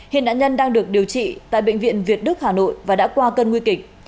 hiện nạn nhân đang được điều trị tại bệnh viện việt đức hà nội và đã qua cơn nguy kịch